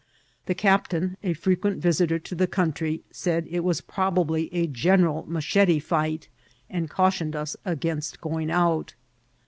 The cap tain, a frequent visiter to the country, said it was prob ably a general machete fight, and cautioned us against going out.